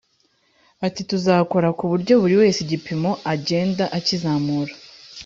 Ati “Tuzakora ku buryo buri wese igipimo agenda akizamura